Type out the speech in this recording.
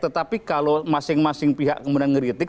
tetapi kalau masing masing pihak kemudian ngeritik